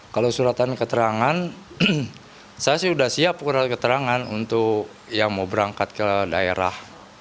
kalau suratan keterangan saya sih sudah siap surat keterangan untuk yang mau berangkat ke daerah